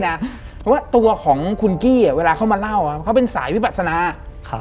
เพราะว่าตัวของคุณกี้อ่ะเวลาเขามาเล่าเขาเป็นสายวิปัสนาครับ